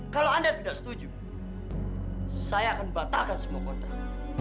kalau anda tidak setuju saya akan batalkan semua kontrak